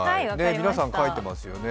皆さん、書いてますよね。